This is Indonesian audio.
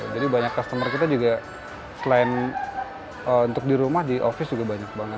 jadi banyak customer kita juga selain untuk di rumah di office juga banyak banget